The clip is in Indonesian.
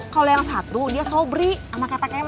kalau yang satu dia sobri sama kata kata med